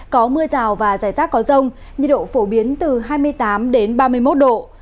có mưa rào và rải rác có rông nhiệt độ phổ biến từ hai mươi tám ba mươi một độ